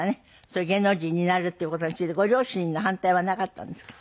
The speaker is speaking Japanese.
そういう芸能人になるっていう事についてご両親の反対はなかったんですか？